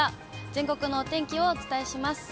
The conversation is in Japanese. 全国のお天気をお伝えします。